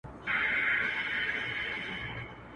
تور خلوته مخ دي تور سه، تور ویښته مي درته سپین کړل.